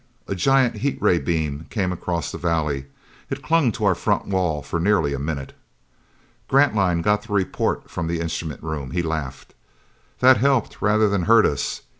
A giant heat ray beam came across the valley. It clung to our front wall for nearly a minute. Grantline got the report from the instrument room. He laughed. "That helped rather than hurt us.